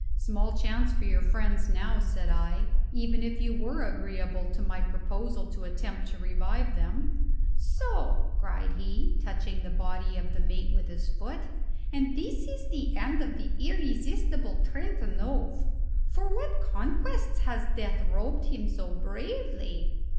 "Small chance for your friends now," said I, "even if you were agreeable to my proposal to attempt to revive them." "So!" cried he, touching the body of the mate with his foot; "and this is the end of the irresistible Trentanove! for what conquests has Death robed him so bravely?